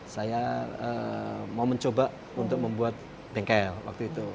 saya mau mencoba untuk membuat bengkel waktu itu